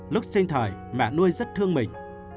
lúc sinh thời mẹ nuôi rất thương mình